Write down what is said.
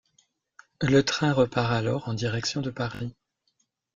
Le train repart alors en direction de Paris.